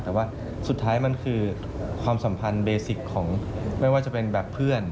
แต่ว่าสุดท้ายมันคือความสัมพันธ์เบสิกของไม่ว่าจะเป็นแบบเพื่อน